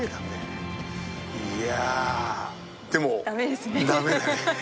いやぁでも。